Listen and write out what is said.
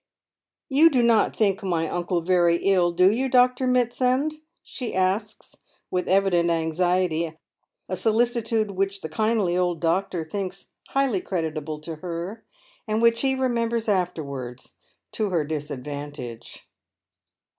" You do not think my uncle veiy ill, do you, Dr. Mitsand ?" she asks, with evident anxiety, a solicitude which tlie kindly old doctor thinks highly creditable to her, and which he remembers afterwards — to her disadvantage.